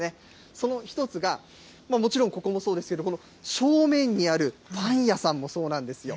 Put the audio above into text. その一つが、もちろんここもそうですけど、この正面にあるパン屋さんもそうなんですよ。